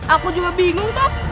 aku juga bingung toh